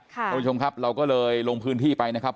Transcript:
คุณผู้ชมครับเราก็เลยลงพื้นที่ไปนะครับ